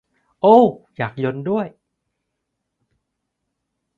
โอ้ว อยากยลด้วย